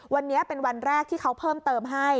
วันนี้เป็นวันแรกที่เขาเพิ่มเติมให้